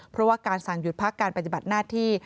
เพราะว่าการสั่งหยุดพักการปฏิบัติหน้าที่